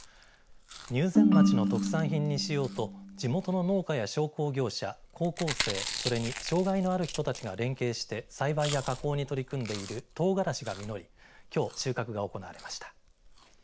入善町の特産品にしようと地元の農家や商工業者高校生それに障害のある人たちが連携して栽培や加工に取り組んでいるトウガラシが実りきょう収穫が行われました。